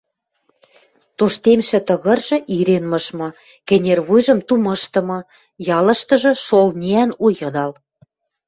Тоштемшӹ тыгыржы ирен мышмы, кӹнервуйжым тумыштымы, ялыштыжы шол ниӓн у йыдал.